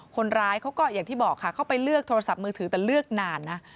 คนร้ายเขาก็อย่างที่บอกค่ะเขาไปเลือกโทรศัพท์มือถือแต่เลือกนานนะ